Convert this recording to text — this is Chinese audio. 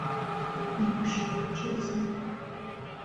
明时治今大名。